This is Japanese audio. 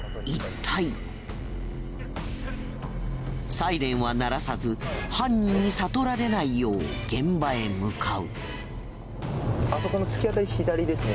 サイレンは鳴らさず犯人に悟られないよう現場へ向かう。